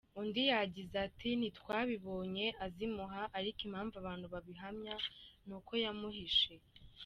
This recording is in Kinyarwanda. Undi yagize ati “Ntitwabibonye azimuha, ariko impamvu abantu babihamya ni uko yamuhishe.